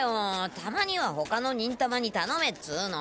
たまにはほかの忍たまにたのめっつの！